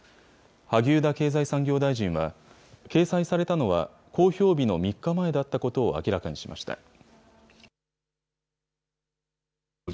萩生田経済産業大臣は、掲載されたのは公表日の３日前だったことを明らかにしました。